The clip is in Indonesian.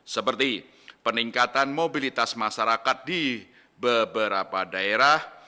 seperti peningkatan mobilitas masyarakat di beberapa daerah